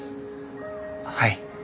はい。